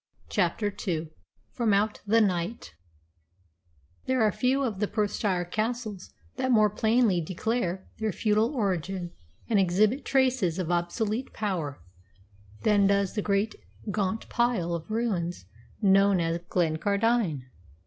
CHAPTER II FROM OUT THE NIGHT There are few of the Perthshire castles that more plainly declare their feudal origin and exhibit traces of obsolete power than does the great gaunt pile of ruins known as Glencardine.